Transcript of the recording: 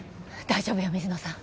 大丈夫よ水野さん。